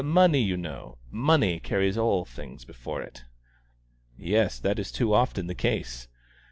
Money, you know money carries all things before it." "Yes, that is too often the case."